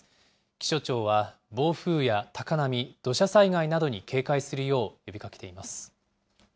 気象庁は、暴風や高波、土砂災害などに警戒するよう呼びかけています。